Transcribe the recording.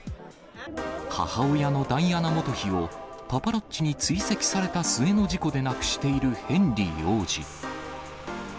母親のダイアナ元妃を、パパラッチに追跡された末の事故で亡くしているヘンリー王子。